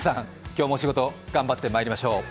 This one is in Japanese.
今日も仕事頑張っていきましょう。